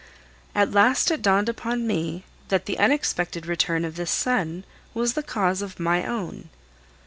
At last it dawned upon me that the unexpected return of this son was the cause of my own.